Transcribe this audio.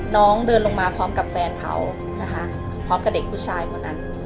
น้องเดินลงมาพร้อมกับแฟนเขานะคะพร้อมกับเด็กผู้ชายคนนั้น